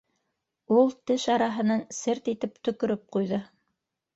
- Ул теш араһынан серт итеп төкөрөп ҡуйҙы.